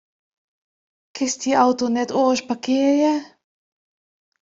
Kinst dy auto net oars parkearje?